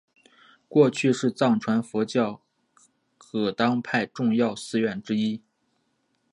过去是藏传佛教噶当派重要寺院之一。